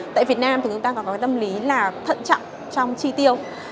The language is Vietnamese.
tại việt nam thì chúng ta có cái tâm lý là thận chậm trong chi tiêu